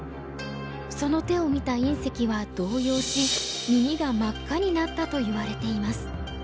その手を見た因碩は動揺し耳が真っ赤になったといわれています。